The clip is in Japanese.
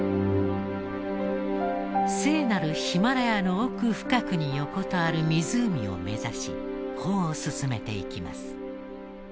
聖なるヒマラヤの奥深くに横たわる湖を目指し歩を進めていきます。